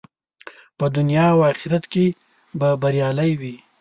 په دنیا او آخرت کې به بریالی وي.